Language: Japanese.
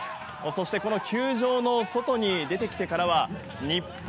そして球場の外に出てきてからは日本！